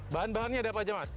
bahan bahannya ada apa aja mas